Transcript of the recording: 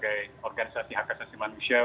dari berbagai organisasi hak asasi manusia